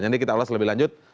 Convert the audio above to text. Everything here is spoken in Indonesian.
kita ulas lebih lanjut